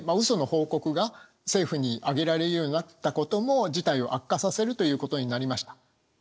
その報告が政府に上げられるようになったことも事態を悪化させるということになりました。